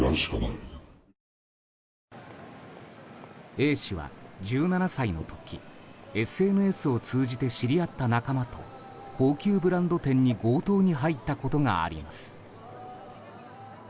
Ａ氏は、１７歳の時ＳＮＳを通じて知り合った仲間と高級ブランド店に強盗に入ったことがあります。